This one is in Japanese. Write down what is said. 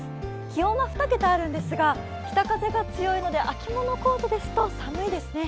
気温は２桁あるんですが北風が強いので秋物コートですと寒いですね。